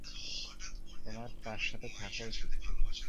তোমার তার সাথে থাকা উচিত ছিল?